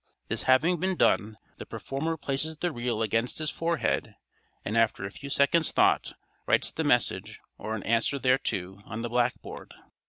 This having been done, the performer places the reel against his forehead, and, after a few seconds' thought, writes the message, or an answer thereto, on the blackboard.